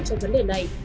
trong vấn đề này